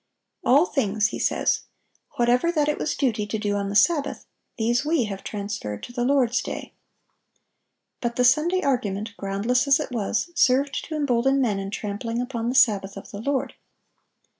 "All things," he says, "whatever that it was duty to do on the Sabbath, these we have transferred to the Lord's day."(1008) But the Sunday argument, groundless as it was, served to embolden men in trampling upon the Sabbath of the Lord.